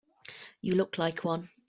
You look like one.